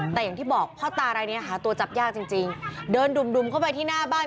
แต่อย่างที่บอกพ่อตารายนี้หาตัวจับยากจริงจริงเดินดุ่มดุ่มเข้าไปที่หน้าบ้าน